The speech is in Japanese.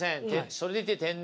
それでいて天然。